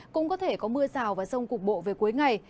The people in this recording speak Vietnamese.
cũng có thể có mưa rào và rông cục bộ về cuối ngày